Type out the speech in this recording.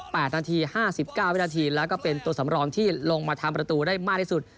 นาทีห้าสิบเก้าวินาทีแล้วก็เป็นตัวสำรองที่ลงมาทำประตูได้มากที่สุด